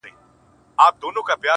د غوايي په څېر مي غټي پښې لرلای -